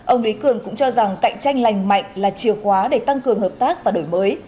ông lý cường cũng cho rằng cạnh tranh lành mạnh là chìa khóa để tăng cường hợp tác và đổi mới